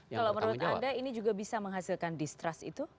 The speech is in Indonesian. kalau menurut anda ini juga bisa menghasilkan distrust itu